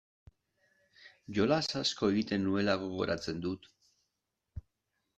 Jolas asko egiten nuela gogoratzen dut.